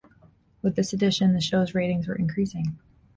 With this addition, the show's ratings were increasing.